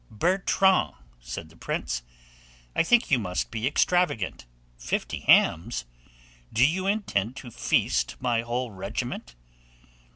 "Bertrand," said the prince, "I think you must be extravagant; Fifty hams! do you intend to feast my whole regiment?"